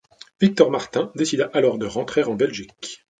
Victor Martin décida alors de rentrer en Belgique.